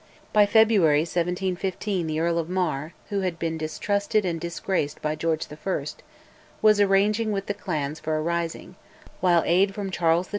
By February 1715 the Earl of Mar, who had been distrusted and disgraced by George I., was arranging with the clans for a rising, while aid from Charles XII.